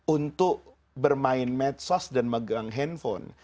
untuk bermain medsos dan megang handphone